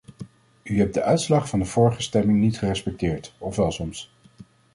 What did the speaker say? U hebt de uitslag van de vorige stemming niet gerespecteerd, of wel soms?